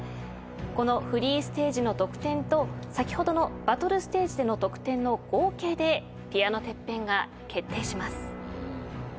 このフリーステージの得点と先ほどのバトルステージでの得点の合計でピアノＴＥＰＰＥＮが決定します。